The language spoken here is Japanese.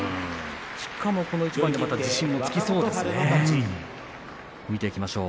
しかもこの一番でさらに自信をつけそうですね。